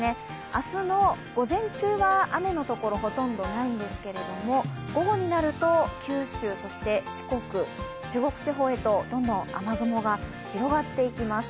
明日の午前中は雨のところほとんどないんですけれども午後になると、九州、そして四国、中国地方へとどんどん雨雲が広がっていきます。